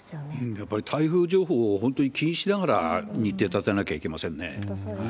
やっぱり台風情報を本当に気にしながら日程立てなきゃいけまそうですね。